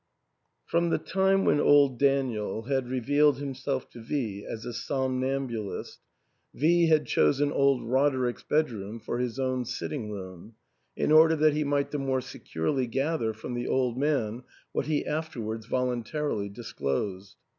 From the time when old Daniel had revealed himself to V as a somnambulist, V had chosen old Roderick's bed room for his own sitting room, in order that he might the more securely gather from the old man what he afterwards voluntarily disclosed.